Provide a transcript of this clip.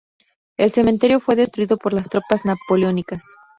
El cementerio fue destruido por las tropas napoleónicas.